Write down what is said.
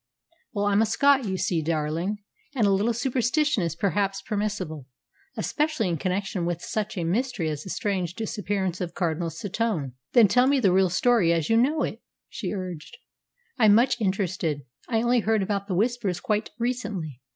"Well, I'm a Scot, you see, darling, and a little superstition is perhaps permissible, especially in connection with such a mystery as the strange disappearance of Cardinal Setoun." "Then, tell me the real story as you know it," she urged. "I'm much interested. I only heard about the Whispers quite recently."